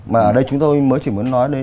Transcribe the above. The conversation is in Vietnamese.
mà ở đây chúng tôi mới chỉ muốn nói